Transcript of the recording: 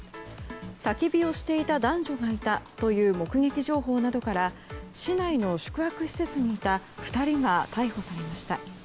たき火をしていた男女がいたという目撃情報などから市内の宿泊施設にいた２人が逮捕されました。